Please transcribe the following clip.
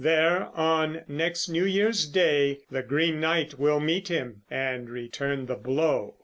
There, on next New Year's day, the Green Knight will meet him and return the blow.